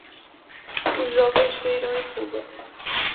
Os jovens saíram em fuga